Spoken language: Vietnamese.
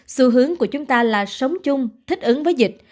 xu hướng của chúng ta là sống chung thích ứng với dịch